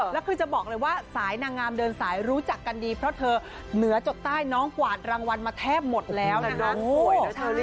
แล้วคือจะบอกเลยว่าสายนางงามเดินสายรู้จักกันดีเพราะเธอเหนือจดใต้น้องกวาดรางวัลมาแทบหมดแล้วนะคะ